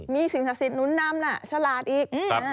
มีสิ่งศักดิ์สิทธิหนุนนำน่ะฉลาดอีก